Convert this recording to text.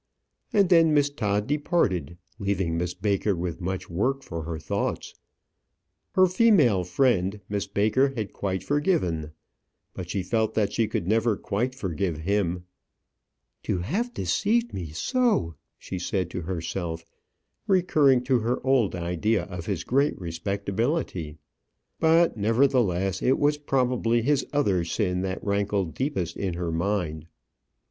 And then Miss Todd departed, leaving Miss Baker with much work for her thoughts. Her female friend Miss Baker had quite forgiven; but she felt that she could never quite forgive him. "To have deceived me so!" she said to herself, recurring to her old idea of his great respectability. But, nevertheless, it was probably his other sin that rankled deepest in her mind.